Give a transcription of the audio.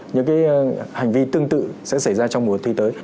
những cái hành vi tương tự sẽ xảy ra trong mùa thi tới